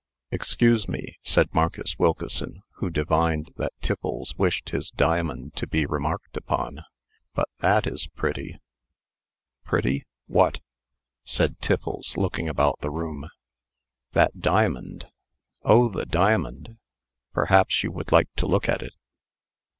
"Excuse me," said Marcus Wilkeson, who divined that Tiffles wished his diamond to be remarked upon, "but that is pretty!" "Pretty! What?" said Tiffles, looking about the room. "That diamond." "Oh! the diamond. Perhaps you would like to look at it?"